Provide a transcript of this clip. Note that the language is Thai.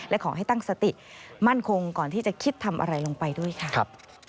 และขอให้ตั้งสติมั่นคงก่อนที่จะคิดทำอะไรลงไปด้วยค่ะ